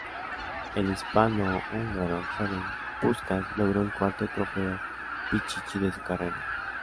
El hispano-húngaro Ferenc Puskás logró el cuarto Trofeo Pichichi de su carrera.